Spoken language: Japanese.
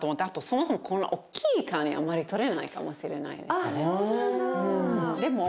あとそもそもこんなおっきいかにあまり取れないかもしれないですね。